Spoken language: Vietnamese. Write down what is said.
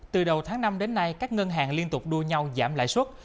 từ đầu tháng năm đến nay các ngân hàng liên tục đua nhau giảm lãi suất